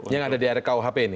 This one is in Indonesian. yang ada di rkuhp ini